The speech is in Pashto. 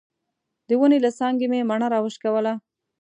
د ونې له څانګې مې مڼه راوشکوله.